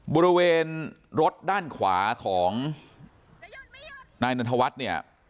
บริเวณรถด้านขวาของนายนันทวัฒน์เนี่ย